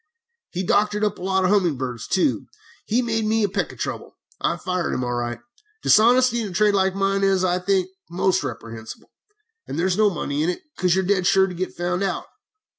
"He doctored up a lot of humming birds, too, and made me a peck of trouble. I fired him, all right. Dishonesty in a trade like mine is, I think, most reprehensible, and there is no money in it, because you are dead sure to get found out.